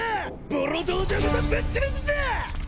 ボロ道場ごとぶっつぶすぞ！